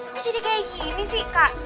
kok jadi kayak gini sih kak